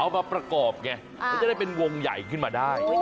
เอามาประกอบไงก็จะได้เป็นวงใหญ่มาได้